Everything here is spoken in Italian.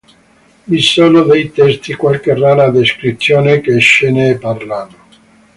Vi sono dei testi, qualche rara descrizione che ce ne parlano.